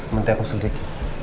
menteri aku sedikit